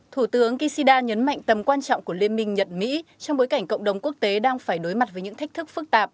thủ tướng kishida nhấn mạnh tầm quan trọng của liên minh nhật mỹ trong bối cảnh cộng đồng quốc tế đang phải đối mặt với những thách thức phức tạp